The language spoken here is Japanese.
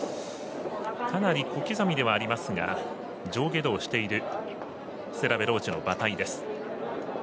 かなり小刻みではありますが上下動しているステラヴェローチェの馬体です。